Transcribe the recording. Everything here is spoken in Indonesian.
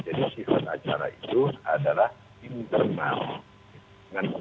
jadi sifat acara itu adalah internal